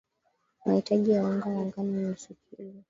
mahitaji ya unga wa ngano ni nusu kilo